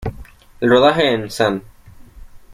El rodaje en St.